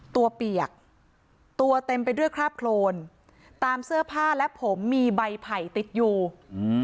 เปียกตัวเต็มไปด้วยคราบโครนตามเสื้อผ้าและผมมีใบไผ่ติดอยู่อืม